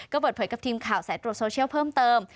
ก็เปิดเผยกับทีมข่าวสายตรวจโซเชียลเพิ่มเติม